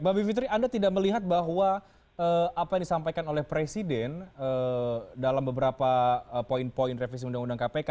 mbak bivitri anda tidak melihat bahwa apa yang disampaikan oleh presiden dalam beberapa poin poin revisi undang undang kpk